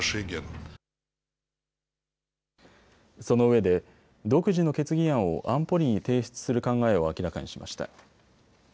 そのうえで独自の決議案を安保理に提出する考えを明らかにしました。